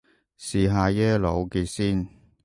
試下耶魯嘅先